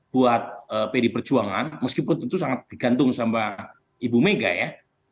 buat pdi perjuangan meskipun tentu sangat bergantung sama ibu mega ya